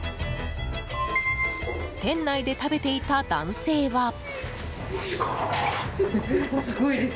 店内で食べていた男性は。